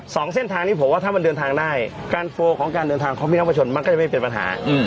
สองเส้นทางนี้ผมว่าถ้ามันเดินทางได้การโฟลของการเดินทางของพี่น้องประชาชนมันก็จะไม่เป็นปัญหา